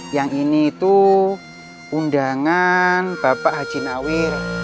yang ini itu undangan bapak haji nawir